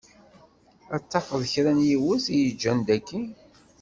Ad tafeḍ d kra n yiwet i t-yeǧǧan daki.